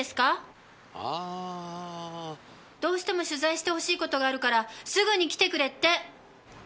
あぁ。どうしても取材して欲しい事があるからすぐに来てくれって。